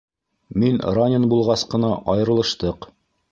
Мин ранен булғас ҡына айырылыштыҡ.